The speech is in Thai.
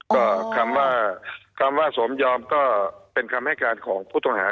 ก็คำว่าคำว่าสมยอมก็เป็นคำให้การของผู้ต้องหา